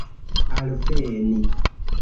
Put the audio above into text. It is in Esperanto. alveni